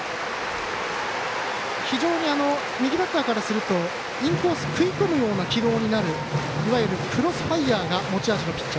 非常に右バッターからするとインコース食い込むような軌道になるいわゆるクロスファイアーが持ち味の選手。